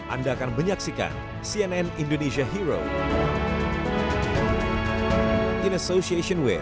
anda akan menyaksikan cnn indonesia hero in association with